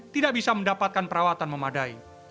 tidak bisa mendapatkan perawatan memadai